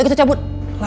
kita itu carinya